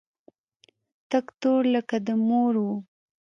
تک تور لکه د خپلې مور و.